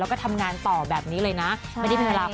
แล้วก็ทำงานต่อแบบนี้เลยนะไม่ได้มีเวลาพักผ่อนนะคะ